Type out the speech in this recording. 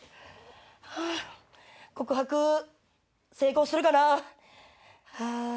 ハァ告白成功するかな？